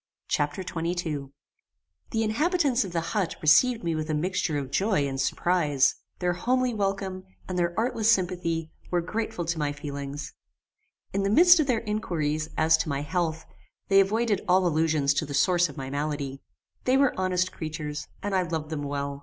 Chapter XXII The inhabitants of the HUT received me with a mixture of joy and surprize. Their homely welcome, and their artless sympathy, were grateful to my feelings. In the midst of their inquiries, as to my health, they avoided all allusions to the source of my malady. They were honest creatures, and I loved them well.